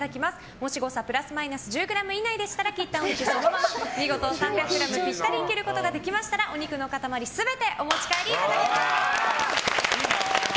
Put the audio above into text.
もし誤差プラスマイナス１０ｇ以内でしたら切ったお肉をそのまま見事３００ｇぴったりに切ることができましたらお肉の塊全てお持ち帰りいただけます。